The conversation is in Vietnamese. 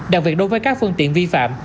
đặc biệt đối với các phương tiện vi phạm